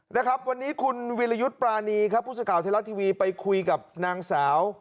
นะครับวันนี้คุณวิรยุทธ์ปรานีครับพุศก่าวเทลาทีวีไปคุยกับนางสาว